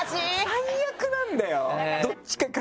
最悪なんだよ！